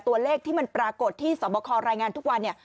ตัวเลขที่มันปรากฏที่สอบคอรายงานทุกวันเนี่ย